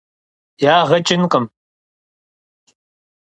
Yağe ç'ınkhım.